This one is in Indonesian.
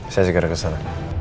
saya segera ke sana